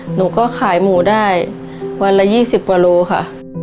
หนูก็ขายหมูได้วันละ๒๐กว่าโลค่ะ